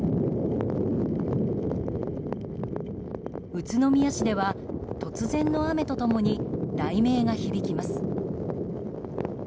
宇都宮市では突然の雨と共に雷鳴が響きます。